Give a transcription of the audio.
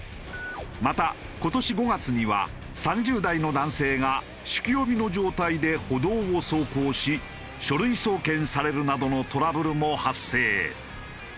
また今年５月には３０代の男性が酒気帯びの状態で歩道を走行し書類送検されるなどのトラブルも発生。